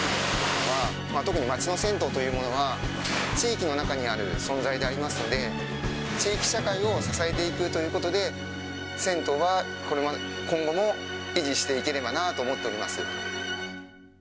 特に町の銭湯というものが、地域の中にある存在でありますので、地域社会を支えていくということで、銭湯は今後も維持していければなと思っております。